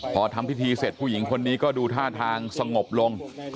พอทำพิธีเสร็จผู้หญิงคนนี้ก็ดูท่าทางสงบลง